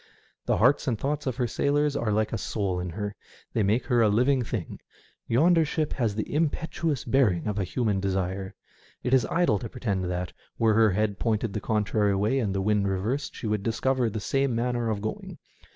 The hearts and thoughts of her sailors are like a soul in her. They make her a living thing. Yonder ship has the impetuous bearing of a human desire. It is idle to pretend that, were her head pointed the con trary way and the wind reversed, she would discover the same manner of going.